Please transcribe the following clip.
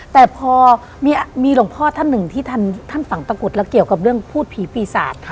แต่พอมีหลวงพ่อท่านหนึ่งที่ท่านฝังตะกุดแล้วเกี่ยวกับเรื่องพูดผีปีศาจ